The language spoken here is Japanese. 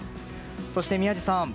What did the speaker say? そして宮司さん